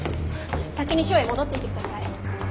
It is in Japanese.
先に署へ戻っていて下さい。